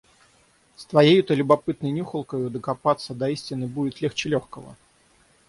С твоею-то любопытной нюхалкою докопаться до истины будет легче лёгкого!